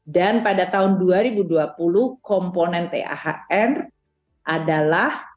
dan pada tahun dua ribu dua puluh komponen thr adalah